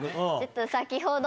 先ほど。